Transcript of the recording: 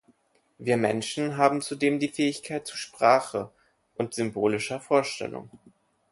Wir Menschen haben zudem die Fähigkeit zu Sprache und symbolischer Vorstellung.